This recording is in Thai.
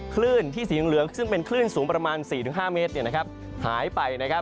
คลื่นที่สีเหลืองซึ่งเป็นคลื่นสูงประมาณ๔๕เมตรหายไปนะครับ